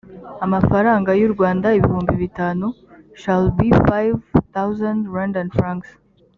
amafaranga y u rwanda ibihumbi bitanu shall be five thousand rwandan francs